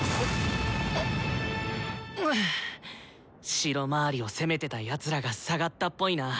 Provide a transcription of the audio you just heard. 城まわりを攻めてたやつらが下がったっぽいな。